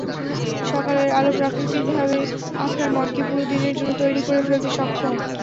সকালের আলো প্রাকৃতিকভাবে আপনার মনকে পুরো দিনের জন্য তৈরি করে ফেলতে সক্ষম।